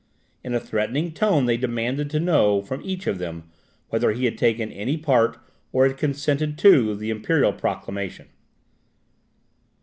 In a threatening tone they demanded to know from each of them, whether he had taken any part, or had consented to, the imperial proclamation.